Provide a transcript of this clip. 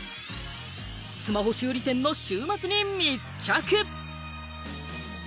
スマホ修理店の週末に密着。